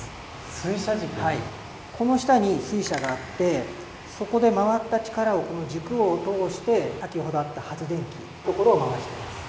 はいこの下に水車があってそこで回った力をこの軸を通して先ほどあった発電機のところを回してます。